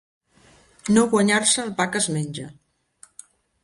No guanyar-se el pa que es menja.